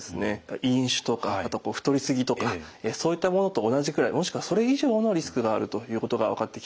飲酒とかあと太り過ぎとかそういったものと同じくらいもしくはそれ以上のリスクがあるということが分かってきたんです。